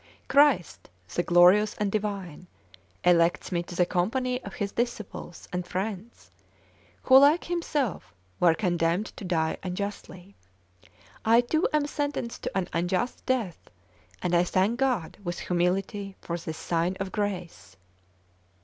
Christ, the glorious and divine, elects me to the company of His disciples and friends, who, like Himself, were condemned to die unjustly. I too am sentenced to an unjust death, and I thank God with humility for this sign of grace.